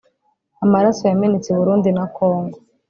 Amaraso yamenetse i Burundi na Kongo